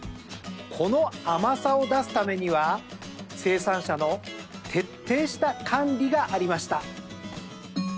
この甘さを出すためには生産者の徹底した管理がありました。